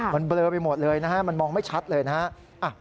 มันเบลอไปหมดเลยนะฮะมันมองไม่ชัดเลยนะฮะ